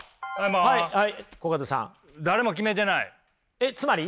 えっつまり？